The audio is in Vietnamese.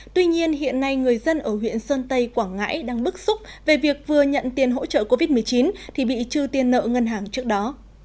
tuy nhiên hiện nay người dân ở huyện sơn tây quảng ngãi đang bức xúc về việc vừa nhận tiền hỗ trợ covid một mươi chín thì bị trừ tiền nợ ngân hàng trước đó